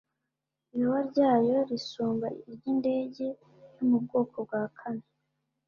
ibaba ryayo risumba iry'indege yo mu bwoko bwa kane